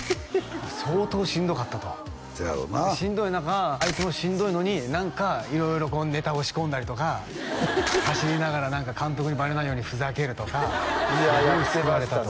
相当しんどかったとせやろなあしんどい中あいつもしんどいのに何か色々こうネタを仕込んだりとか走りながら監督にバレないようにふざけるとかいややってましたね